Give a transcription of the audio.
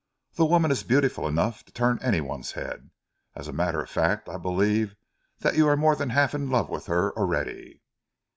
The woman is beautiful enough to turn any one's head. As a matter of fact, I believe that you are more than half in love with her already."